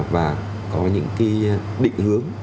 và có những cái định hướng